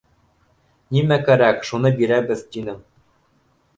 Нимә кәрәк, шуны бирәбеҙ, тинең